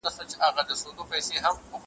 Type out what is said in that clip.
وږی ګرځي خو مغرور لکه پاچا وي `